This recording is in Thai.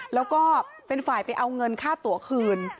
แล้วก็เป็นฝ่ายไปเอาเงินค่าตัวคืน